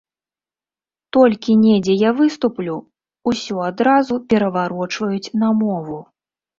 Толькі недзе я выступлю, усё адразу пераварочваюць на мову.